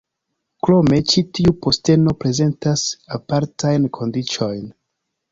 Krome ĉi tiu posteno prezentas apartajn kondiĉojn.